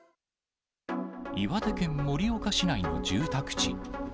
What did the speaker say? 岩手県盛岡市内の住宅地。